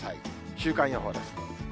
週間予報です。